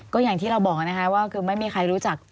ก็อย่างที่เราบอกนะคะว่าคือไม่มีใครรู้จัก